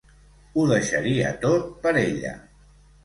Ho deixaria tot, per ella.